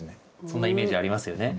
そんなイメージありますよね。